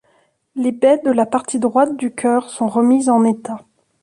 Les baies de la partie droite du chœur sont remis en état.